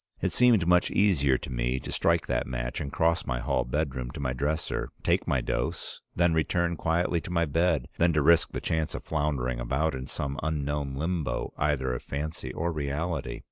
It seemed much easier to me to strike that match and cross my hall bedroom to my dresser, take my dose, then return quietly to my bed, than to risk the chance of floundering about in some unknown limbo either of fancy or reality.